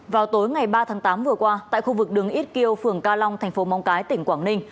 vào tối ngày ba tháng tám vừa qua tại khu vực đường ít kiêu phường ca long thành phố móng cái tỉnh quảng ninh